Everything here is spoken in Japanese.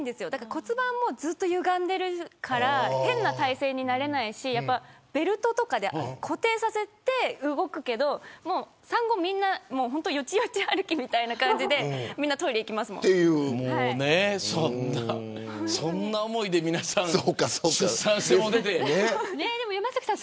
骨盤もずっとゆがんでるから変な体勢になれないしベルトとかで固定させて動くけど産後はみんなよちよち歩きみたいな感じでそんな思いで皆さん山崎さん